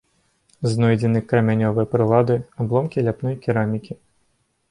Знойдзены крамянёвыя прылады, абломкі ляпной керамікі.